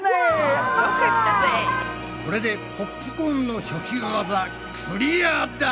これでポップコーンの初級ワザクリアだ！